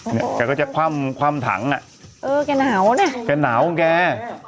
แกก็จะคว่ำคว่ำถังอ่ะเออแกหนาวเนี้ยแกหนาวของแก